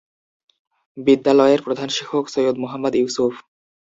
বিদ্যালয়ের প্রধান শিক্ষক সৈয়দ মোহাম্মদ ইউসুফ।